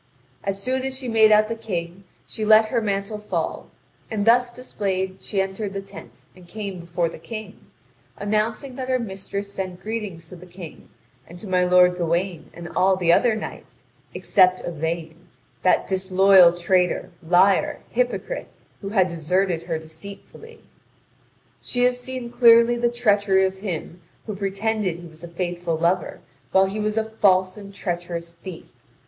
As soon as she made out the King, she let her mantle fall, and thus displayed she entered the tent and came before the King, announcing that her mistress sent greetings to the King, and to my lord Gawain and all the other knights, except Yvain, that disloyal traitor, liar, hypocrite, who had deserted her deceitfully. "She has seen clearly the treachery of him who pretended he was a faithful lover while he was a false and treacherous thief.